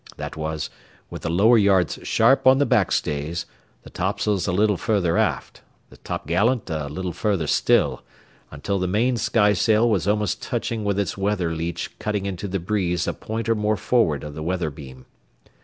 That was, with the lower yards sharp on the back stays, the topsails a little further aft, the t'gallant a little further still, until the main skysail was almost touching with its weather leach cutting into the breeze a point or more forward of the weather beam.